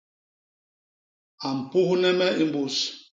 A mpuhne me i mbus.